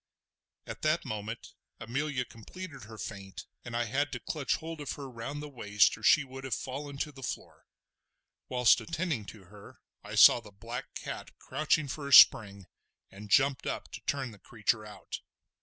At this moment Amelia completed her faint, and I had to clutch hold of her round the waist or she would have fallen to the floor. Whilst attending to her I saw the black cat crouching for a spring, and jumped up to turn the creature out.